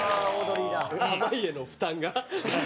濱家の負担が。